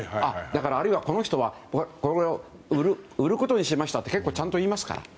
あるいは、この人は売ることにしましたって結構ちゃんと言います。